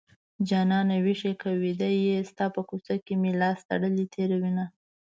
جانانه ويښ يې که ويده يې ستا په کوڅه مې لاس تړلی تېروينه